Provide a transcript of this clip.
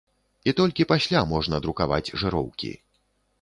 І толькі пасля можна друкаваць жыроўкі.